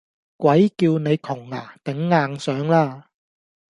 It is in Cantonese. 鬼叫你窮呀，頂硬上啦！